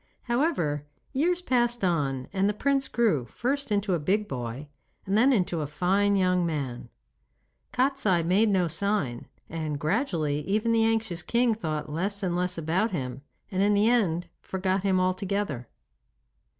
However, years passed on and the prince grew first into a big boy, and then into a fine young man. Kostiei made no sign, and gradually even the anxious king thought less and less about him, and in the end forgot him altogether.